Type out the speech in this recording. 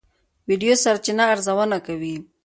ویډیو سرچینه ارزونه کوي.